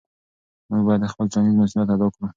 موږ باید خپل ټولنیز مسؤلیت ادا کړو.